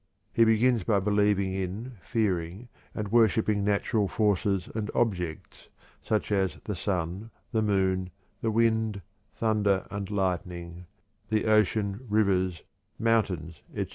He begins by believing in, fearing, and worshiping natural forces and objects, such as the sun, the moon, the wind, thunder and lightning, the ocean, rivers, mountains, etc.